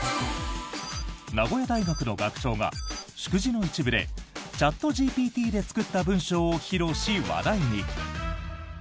名古屋大学の学長が祝辞の一部でチャットＧＰＴで作った文章を披露し、話題に。